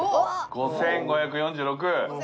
５，５４６。